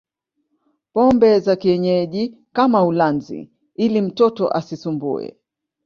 pombe za kienyeji kama ulanzi ili mtoto asisumbue